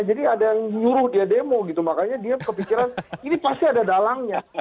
ada yang nyuruh dia demo gitu makanya dia kepikiran ini pasti ada dalangnya